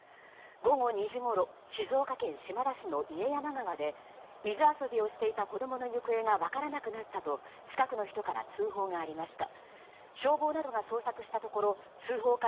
午後２時ごろ静岡県島田市の家山川で水遊びをしていた子供の行方が分からなくなったと近くの人から通報がありました。